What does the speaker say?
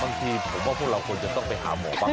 บางทีผมว่าพวกเราควรจะต้องไปหาหมอบ้าง